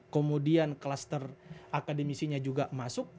kemudian kluster akademisinya juga masuk